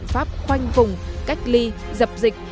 pháp khoanh vùng cách ly dập dịch